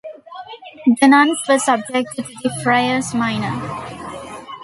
The nuns were subject to the Friars Minor.